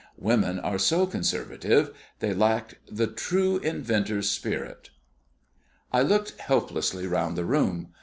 Women are so conservative; they lack the true inventor's spirit. I looked helplessly round the room.